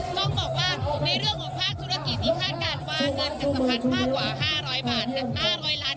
ต้องบอกว่าในเรื่องของภาคธุรกิจนี้คาดการณ์ว่าเงินจะสำคัญมากกว่า๕๐๐บาท๕๐๐ล้าน